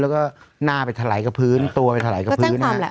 แล้วก็หน้าไปถลายกับพื้นตัวไปถลายกับพื้น